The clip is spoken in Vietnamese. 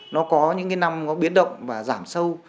nó có những cái năm nó biến động và giảm sâu